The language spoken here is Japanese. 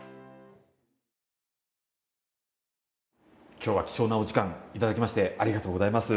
今日は貴重なお時間頂きましてありがとうございます。